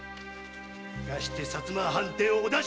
生かして薩摩藩邸をお出し